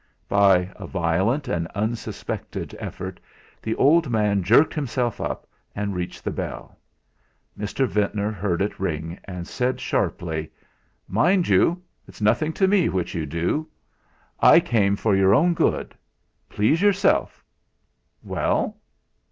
By a violent and unsuspected effort the old man jerked himself up and reached the bell. Mr. Ventnor heard it ring, and said sharply: "Mind you, it's nothing to me which you do. I came for your own good. Please yourself. Well?"